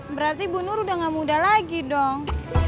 berarti ibu nur udah gak muda lagi dong